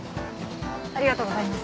ありがとうございます。